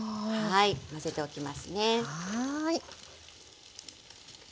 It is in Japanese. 混ぜておきますね。